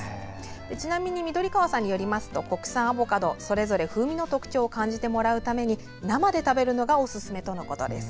ちなみに、緑川さんによると国産のアボカドそれぞれ風味の特徴を感じてもらうために生で食べるのがおすすめとのことです。